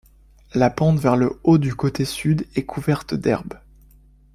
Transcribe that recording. La pente vers le haut du côté sud est couverte d'herbe.